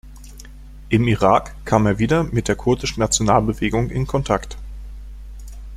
Im Irak kam er wieder mit der kurdischen Nationalbewegung in Kontakt.